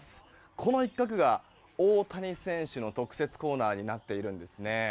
この一角が大谷選手の特設コーナーになっているんですね。